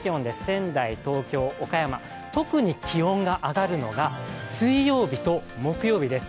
仙台、東京、岡山、特に気温が上がるのが水曜日と木曜日です。